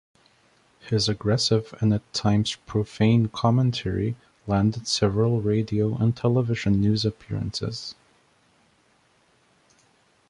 His aggressive and at times profane commentary landed several radio and television news appearances.